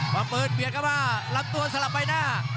มาเปิดเบียดเข้ามาลำตัวสลับใบหน้า